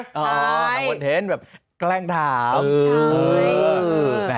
ทำคอนเทนต์แบบแกล้งถาม